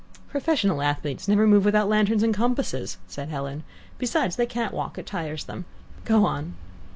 "Professional athletes never move without lanterns and compasses," said Helen. "Besides, they can't walk. It tires them. Go on."